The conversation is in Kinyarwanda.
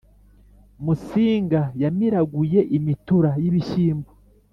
Musinga yamiraguye imitura y’ibishyimbo